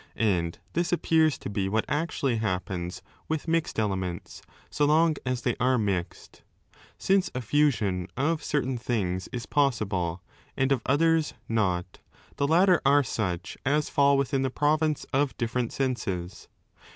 And this appears to be what actually happens with mixed elements, so long as they are mixed. Since 5 a fusion of certain things is possible and of others not, the latter are such as fall within the province of different senses.